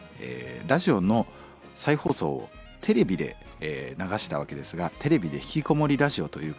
ラジオの再放送をテレビで流したわけですが「テレビでひきこもりラジオ」という形でですね